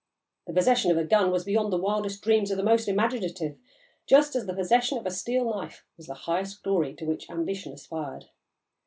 The possession of a gun was beyond the wildest dreams of the most imaginative, just as the possession of a steel knife was the highest glory to which ambition aspired.